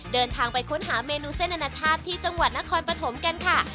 เดินทางไปค้นหาเมนูเส้นอนาชาติที่จังหวัดนครปฐมกันค่ะ